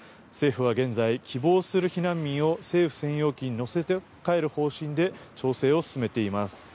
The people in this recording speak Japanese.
政府は今希望する避難民を政府専用機に乗せて帰る方針で調整を進めています。